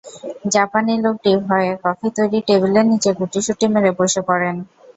জাপানি লোকটি ভয়ে কফি তৈরির টেবিলের নিচে গুটিসুটি মেরে বসে পড়েন।